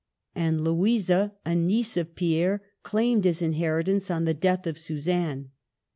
And Louisa, a niece of Pierre, claimed his inheritance on the death of Suzanne.